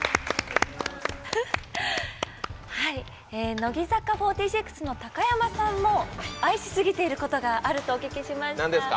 乃木坂４６の高山さんも愛しすぎていることがあるとお聞きしました。